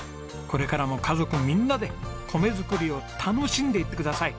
これからも家族みんなで米作りを楽しんでいってください。